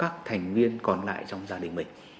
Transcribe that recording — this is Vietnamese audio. các thành viên còn lại trong gia đình mình